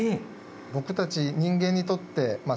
僕たち人間にとってまあ